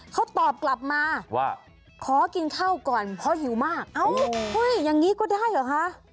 เขาตอบกลับมาว่าขอกินข้าวก่อนเพราะหิวมากอย่างนี้ก็ได้เหรอคะ